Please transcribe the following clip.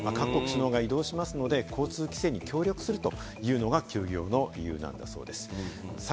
各国首脳が移動しますので、交通規制に協力するというのが休業の理由です。